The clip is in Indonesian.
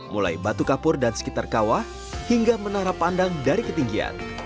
mulai batu kapur dan sekitar kawah hingga menara pandang dari ketinggian